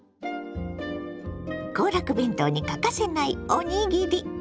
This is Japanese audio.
行楽弁当に欠かせないおにぎり。